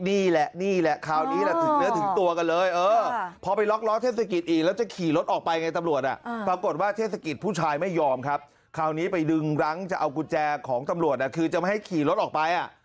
นี่แหละนี่แหละคราวนี้ละถึงเนื้อถึงตัวกันเลย